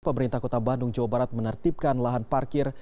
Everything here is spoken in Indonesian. pemerintah kota bandung jawa barat menertibkan lahan parkir